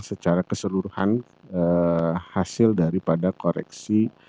secara keseluruhan hasil daripada koreksi